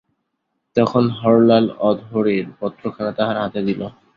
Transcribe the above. তখন হরলাল অধরের পত্রখানা তাঁহার হাতে দিল।